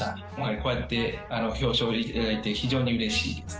こうやって表彰していただいて、非常にうれしいです。